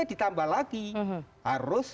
ditambah lagi harus